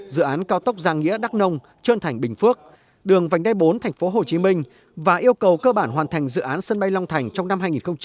dự án cao tốc giang nghĩa đắc nông trơn thành bình phước đường vành đe bốn tp hcm và yêu cầu cơ bản hoàn thành dự án sân bay long thành trong năm hai nghìn hai mươi